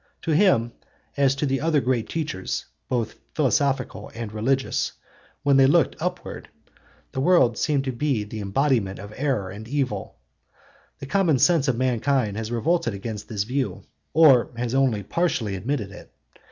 To him, as to other great teachers both philosophical and religious, when they looked upward, the world seemed to be the embodiment of error and evil. The common sense of mankind has revolted against this view, or has only partially admitted it.